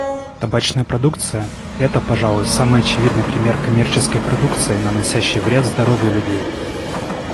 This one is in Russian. Табачная продукция — это, пожалуй, самый очевидный пример коммерческой продукции, наносящей вред здоровью людей.